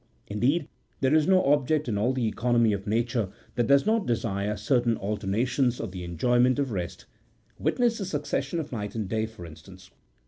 Indeed, there is no object in all the economy of Nature that does not desire certain alternations for the enjoyment of rest, witness the succession of night and day, for instance.